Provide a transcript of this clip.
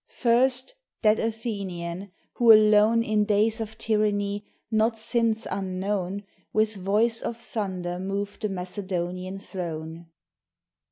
First that Athenian, who alone In days of tyranny not since unknown With voice of thunder moved the Macedonian throne.